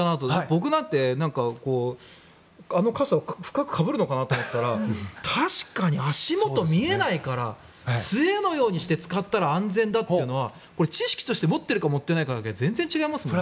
僕なんて、あの傘を深くかぶるのかと思ったら確かに足元見えないから杖のようにして使ったら安全だっていうのは知識として持っているかだけで全然、違いますものね。